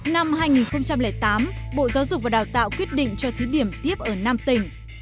năm hai nghìn tám bộ giáo dục và đào tạo quyết định cho thí điểm tiếp ở năm tỉnh